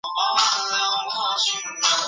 玛君龙亚科是阿贝力龙科下的一个亚科。